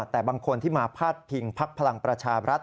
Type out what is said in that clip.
แต่บางคนที่มาพาดพิงพักพลังประชาบรัฐ